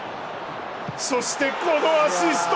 そして、このアシスト。